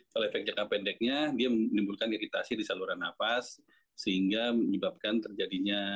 kalau efek jangka pendeknya dia menimbulkan iritasi di saluran nafas sehingga menyebabkan terjadinya